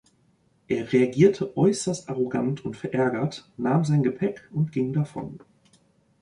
Er reagierte äußerst arrogant und verärgert, nahm sein Gepäck und ging davon.